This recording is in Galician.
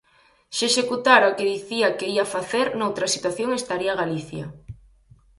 ¡Se executara o que dicía que ía facer noutra situación estaría Galicia!